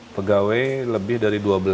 pegawai lebih dari dua belas